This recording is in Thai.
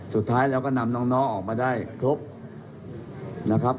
สุดท้ายเราก็นำน้องออกมาได้ครบนะครับ